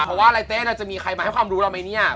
เพราะว่าลายเต้เราจะมีใครมาให้ความรู้เราไหมเนี่ย